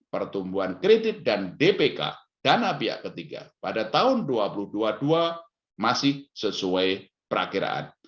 pertumbuhan kredit dan dpk dana pihak ketiga pada tahun dua ribu dua puluh dua masih sesuai perakiraan